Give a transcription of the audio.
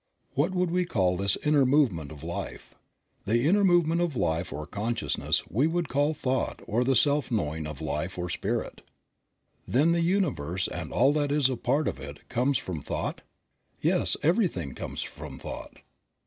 What would we call this inner movement of Life? The inner movement of Life or consciousness we would call thought or the self knowing of Life or Spirit. Then the universe and all that is a part of it comes from thought ? Yes, everything comes from thought.